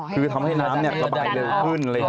คือทำให้น้ำระบายเร็วขึ้น